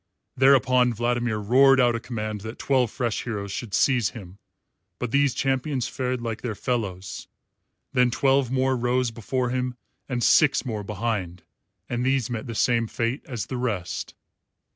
Thereupon Vladimir roared out a command that twelve fresh heroes should seize him, but these champions fared like their fellows. Then twelve more rose before him and six more behind; and these met the same fate as the rest.